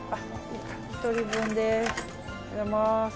１人分です。